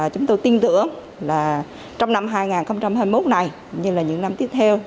chúng tôi tin tưởng trong năm hai nghìn hai mươi một như những năm tiếp theo